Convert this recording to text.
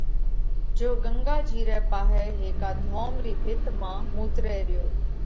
جيو ڳنڳا جِي رئہ پاهئہ هيڪا ڌوم رِي ڀِت مانه مُوترئه ريو۔